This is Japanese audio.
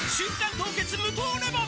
凍結無糖レモン」